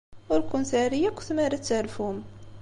Ur ken-terri akk tmara ad terfum.